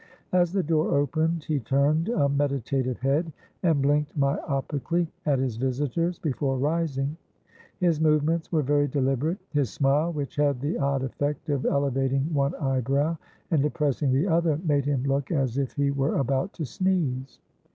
As the door opened, he turned a meditative head, and blinked myopically at his visitors before rising. His movements were very deliberate; his smile, which had the odd effect of elevating one eyebrow and depressing the other, made him look as if he were about to sneeze.